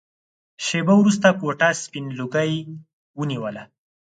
شېبه وروسته کوټه سپين لوګي ونيوله.